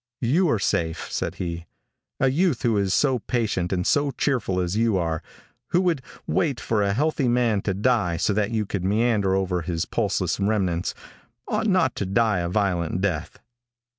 "You are safe," said he. "A youth who is so patient and so cheerful as you are who would wait for a healthy man to die so that you could meander over his pulseless remnants, ought not to die a violent death.